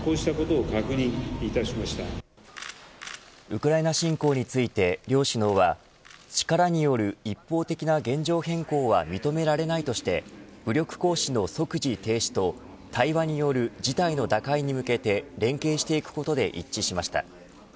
ウクライナ侵攻について両首脳は力による一方的な現状変更は認められないとして武力行使の即時停止と対話による事態の打開に向けて連携していくことで一致しました。